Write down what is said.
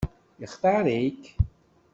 Yextaṛ-ik?